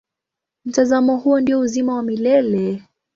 Mtazamo huo ndio uzima wa milele.